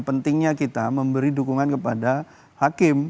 pentingnya kita memberi dukungan kepada hakim